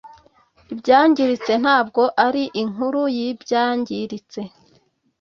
ibyangiritse ntabwo ari inkuru yibyangiritse